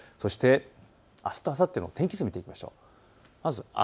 あした、あさっての天気図を見ていきましょう。